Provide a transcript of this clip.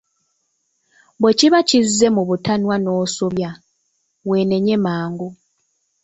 "Bwe kiba kizze mu butanwa n'osobya, weenenye mangu."